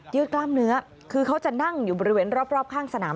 กล้ามเนื้อคือเขาจะนั่งอยู่บริเวณรอบข้างสนาม